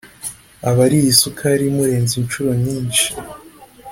Aba ariye isukari imurenze inshuronyinshi